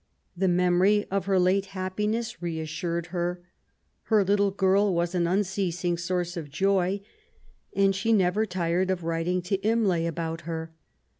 The memory of her late happiness reassured her. Her little girl was an unceasing source of joy, and she never tired of writing to Imlay about her.